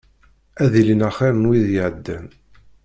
Ad ilin axir n wid iɛeddan.